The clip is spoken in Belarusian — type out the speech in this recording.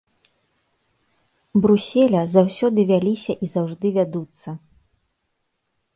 Бруселя, заўсёды вяліся і заўжды вядуцца.